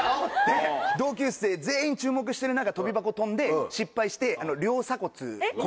同級生全員注目してる中跳び箱跳んで失敗して。